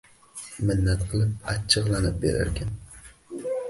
Minnat kilib achchiglanib berarkan